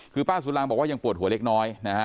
คือป้าสุรางบอกว่ายังปวดหัวเล็กน้อยนะฮะ